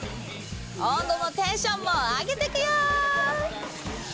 温度もテンションも上げてくよ！